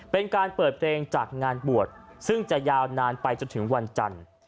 เป็นการเปิดเพลงจากงานบวชซึ่งจะยาวนานไปจนถึงวันจันทร์